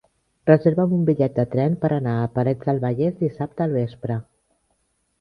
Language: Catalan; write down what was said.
Reserva'm un bitllet de tren per anar a Parets del Vallès dissabte al vespre.